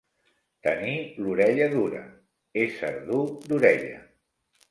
Tenir l'orella dura, ésser dur d'orella.